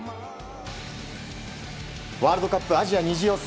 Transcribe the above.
ワールドカップアジア２次予選。